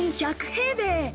２１００平米。